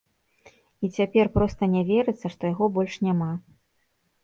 І цяпер проста не верыцца, што яго больш няма.